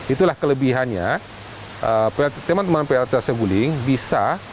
itulah kelebihannya teman teman plta sapuling bisa